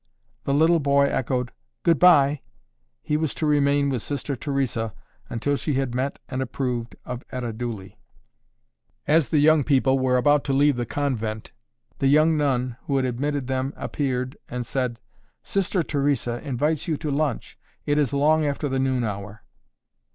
The little boy echoed, "Goodbye." He was to remain with Sister Theresa until she had met and approved of Etta Dooley. As the young people were about to leave the convent, the young nun who had admitted them appeared and said, "Sister Theresa invites you to lunch. It is long after the noon hour."